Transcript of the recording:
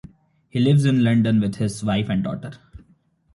He lives in London with his wife and daughter.